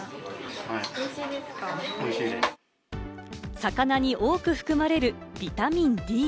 魚に多く含まれるビタミンＤ。